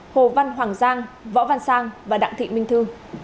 hồ văn hoàng giang võ văn sang và đặng thị minh thư